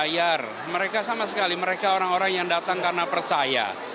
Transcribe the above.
bayar mereka sama sekali mereka orang orang yang datang karena percaya